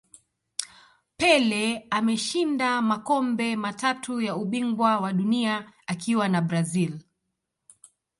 pele ameshinda makombe matatu ya ubingwa wa dunia akiwa na brazil